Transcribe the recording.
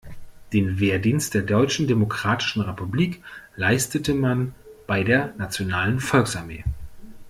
Den Wehrdienst der Deutschen Demokratischen Republik leistete man bei der nationalen Volksarmee.